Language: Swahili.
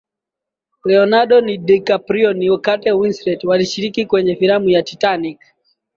leonardo di caprio na kate winslet walishiriki kwenye filamu ya titanic